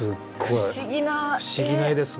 不思議な絵ですね。